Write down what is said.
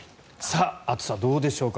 暑さ、どうでしょうか。